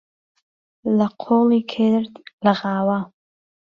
له قۆڵی کرد لغاوه